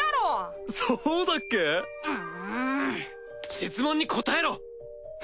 質問に答えろ！